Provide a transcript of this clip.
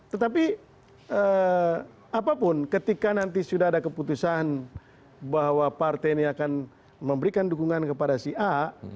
tetapi apapun ketika nanti sudah ada keputusan bahwa partai ini akan memberikan dukungan kepada si a